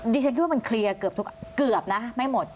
ดิฉันคิดว่ามันเคลียร์เกือบไม่หมด